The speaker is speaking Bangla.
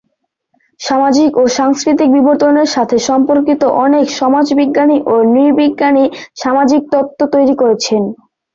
সামাজিক ও সাংস্কৃতিক বিবর্তনের সাথে সম্পর্কিত অনেক সমাজবিজ্ঞানী ও নৃবিজ্ঞানী সামাজিক তত্ত্ব তৈরি করেছেন।